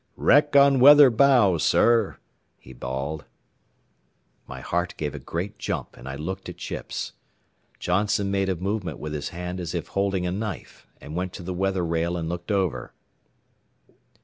"Wreck on weather bow, sir!" he bawled. My heart gave a great jump and I looked at Chips. Johnson made a movement with his hand as if holding a knife and went to the weather rail and looked over.